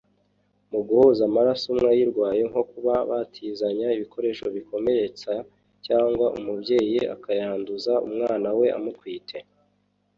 mu guhuza amaraso umwe ayirwaye nko kuba batizanya ibikoresho bikomeretsa cyangwa umubyeyi akayanduza umwana we amutwite